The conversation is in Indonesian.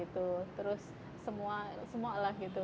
terus semua lah gitu